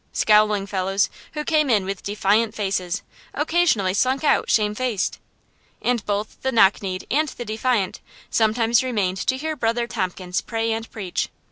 Scowling fellows who came in with defiant faces occasionally slunk out shamefaced; and both the knock kneed and the defiant sometimes remained to hear Brother Tompkins pray and preach.